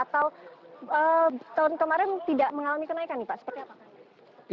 atau tahun kemarin tidak mengalami kenaikan nih pak seperti apa